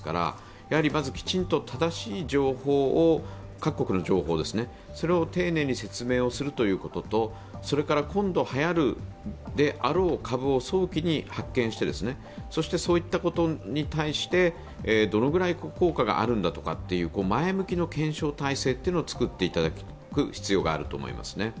まずきちんと正しい情報、各国の情報を丁寧に説明することと今度はやるであろう株を早期に発見してそして、そういったことに対してどのぐらい効果があるのか前向きの検証体制を作っていただく必要があると思いますね。